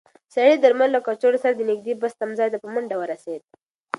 سړی د درملو له کڅوړې سره د نږدې بس تمځای ته په منډه ورسېد.